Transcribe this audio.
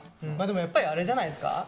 まあでもやっぱりあれじゃないですか？